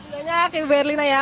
terima kasih banyak bu erlina ya